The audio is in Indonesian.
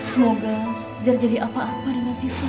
semoga tidak terjadi apa apa dengan sifah